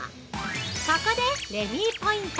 ここでレミーポイント！